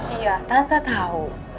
iya tante tahu